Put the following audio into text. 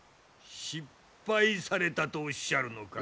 失敗されたとおっしゃるのか？